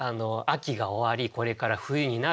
秋が終わりこれから冬になる。